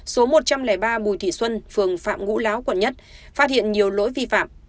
số một trăm linh ba bùi thị xuân phường phạm ngũ lão quận một phát hiện nhiều lỗi vi phạm